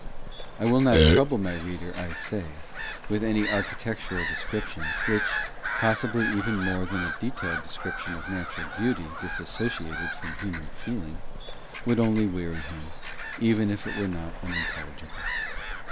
I will not trouble my reader, I say, with any architectural description, which, possibly even more than a detailed description of natural beauty dissociated from human feeling, would only weary him, even if it were not unintelligible.